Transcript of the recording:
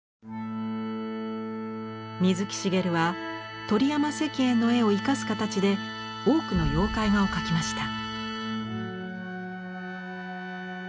水木しげるは鳥山石燕の絵を生かす形で多くの妖怪画を描きました。